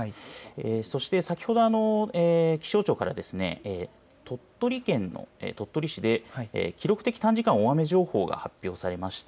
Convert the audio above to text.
そして、先ほど気象庁からですね鳥取県の鳥取市で記録的短時間大雨情報が発表されました。